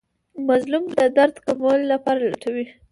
مظلوم د درد کمولو لارې لټوي.